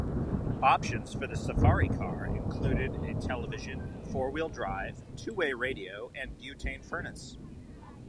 Options for the SafariKar included a television, four-wheel drive, two-way radio and butane furnace.